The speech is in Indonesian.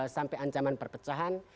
sampai ancaman perpecahan